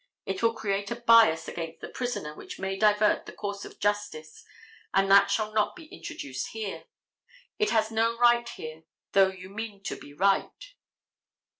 It will create a bias against the prisoner which may divert the course of justice, and that shall not be introduced here: it has no right here though you mean to be right."